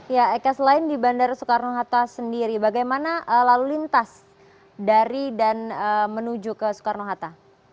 ya eka selain di bandara soekarno hatta sendiri bagaimana lalu lintas dari dan menuju ke soekarno hatta